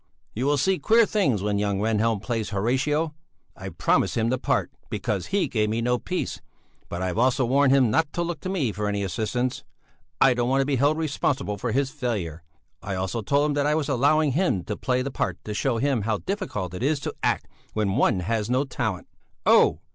You will see queer things when young Rehnhjelm plays Horatio! I've promised him the part, because he gave me no peace; but I've also warned him not to look to me for any assistance. I don't want to be held responsible for his failure; I also told him that I was allowing him to play the part to show him how difficult it is to act when one has no talent. Oh!